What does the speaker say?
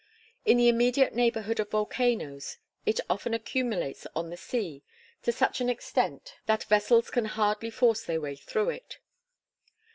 In the immediate neighborhood of volcanoes it often accumulates on the sea to such an extent that vessels can hardly force their way through it.